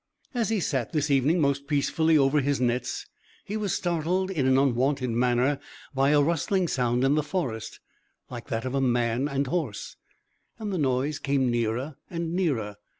As he sat this evening most peacefully over his nets, he was startled in an unwonted manner by a rustling sound in the forest, like that of a man and horse; and the noise came nearer and nearer.